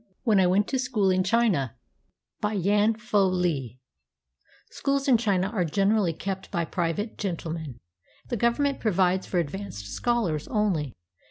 WHEN I WENT TO SCHOOL IN CHINA BY YAN PHOU LEE Schools in China are generally kept by private gentle men. The Government provides for advanced scholars only.